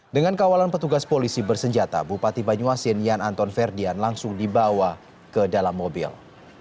dengan kawalan petugas polisi bersenjata bupati banyuasin yan anton ferdian langsung dibawa ke dalam mobil